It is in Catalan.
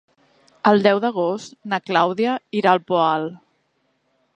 El deu d'agost na Clàudia irà al Poal.